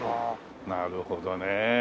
なるほどねえ。